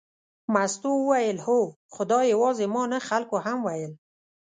مستو وویل هو، خو دا یوازې ما نه خلکو هم ویل.